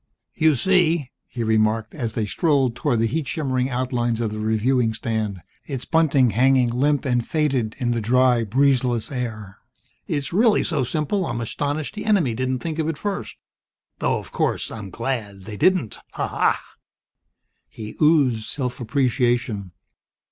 "You see," he remarked, as they strolled toward the heat shimmering outlines of the reviewing stand, its bunting hanging limp and faded in the dry, breezeless air, "it's really so simple I'm astonished the enemy didn't think of it first. Though, of course, I'm glad they didn't Ha! ha!" He oozed self appreciation.